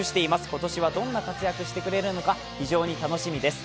今年はどんな活躍してくれるのか非常に楽しみです。